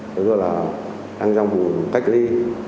tức là đang trong vùng cách ly